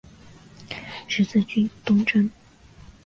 十字军东征。